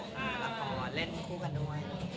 ค่ะละครเล่นทุกกันด้วย